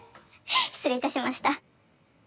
失礼いたしました。